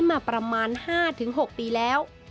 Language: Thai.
มาประมาณ๕๖ปีแล้ว